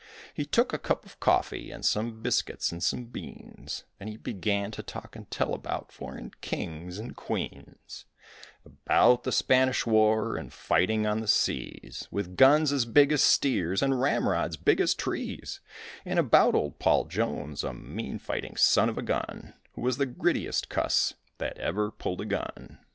He took a cup of coffee and some biscuits and some beans, And then began to talk and tell about foreign kings and queens, About the Spanish war and fighting on the seas With guns as big as steers and ramrods big as trees, And about old Paul Jones, a mean, fighting son of a gun, Who was the grittiest cuss that ever pulled a gun.